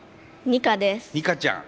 ニカちゃん。